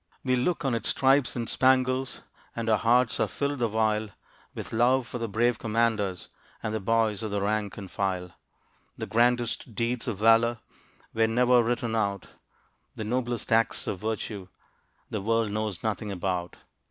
We look on its stripes and spangles, And our hearts are filled the while With love for the brave commanders, And the boys of the rank and file. The grandest deeds of valor Were never written out, The noblest acts of virtue The world knows nothing about.